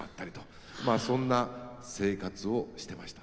まあそんな生活をしてました。